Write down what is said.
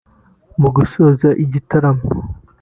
Mu gusoza igitaramo